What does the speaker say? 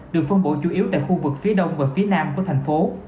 được phân bổ chủ yếu tại khu vực phía đông và phía nam của thành phố